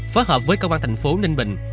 phó hợp với công an thành phố ninh bình